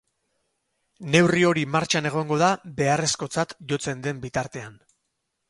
Neurri hori martxan egongo da beharrezkotzat jotzen den bitartean.